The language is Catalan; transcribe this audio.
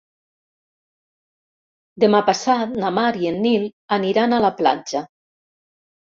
Demà passat na Mar i en Nil aniran a la platja.